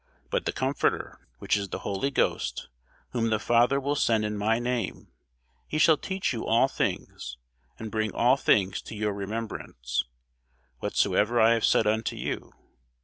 But the Comforter, which is the Holy Ghost, whom the Father will send in my name, he shall teach you all things, and bring all things to your remembrance, whatsoever I have said unto you.